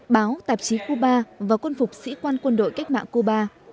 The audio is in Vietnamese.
báo tạp chí cuba và quân phục sĩ quan quân đội cách mạng cuba